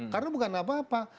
karena bukan apa apa